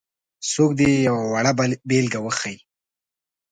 څوک دې یې یوه وړه بېلګه وښيي.